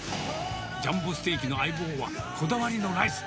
ジャンボステーキの相棒は、こだわりのライス。